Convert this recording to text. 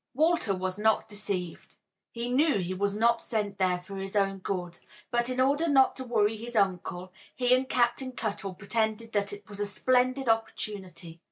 Walter was not deceived. He knew he was not sent there for his own good, but in order not to worry his uncle he and Captain Cuttle pretended that it was a splendid opportunity.